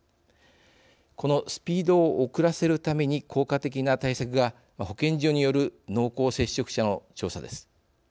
このスピードを遅らせるために効果的な対策が保健所による濃厚接触者の調査です。